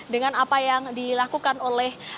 dengan apa yang dilakukan oleh